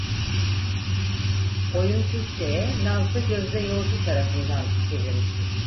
Oyun Türkçeye Nazlı Gözde Yolcu tarafından çevrilmiştir.